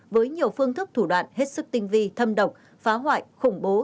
với nhiều phương thức thủ đoạn hết sức tinh vi thâm độc phá hoại khủng bố